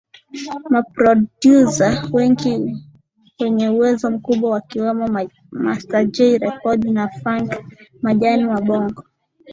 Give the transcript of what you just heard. maprodyuza wengi wenye uwezo mkubwa akiwemo Master Jay rekodi na Funk Majani wa Bongo